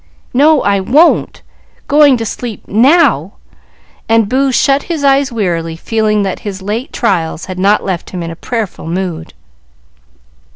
"No, I won't! Going to sleep now!" and Boo shut his eyes wearily, feeling that his late trials had not left him in a prayerful mood.